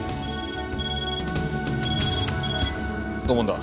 土門だ。